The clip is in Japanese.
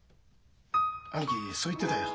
兄貴そう言ってたよ。